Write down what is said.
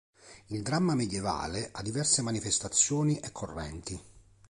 Il dramma medievale ha diverse manifestazioni e correnti.